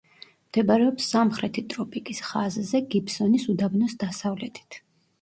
მდებარეობს სამხრეთი ტროპიკის ხაზზე, გიბსონის უდაბნოს დასავლეთით.